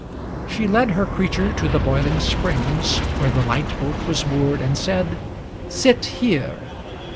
She led her creature to the boiling springs Where the light boat was moored, and said, ' Sit here